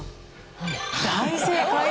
大正解です。